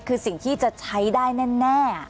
คือสิ่งที่จะใช้ได้แน่